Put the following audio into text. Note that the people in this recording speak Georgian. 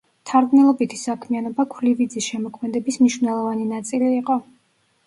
მთარგმნელობითი საქმიანობა ქვლივიძის შემოქმედების მნიშვნელოვანი ნაწილი იყო.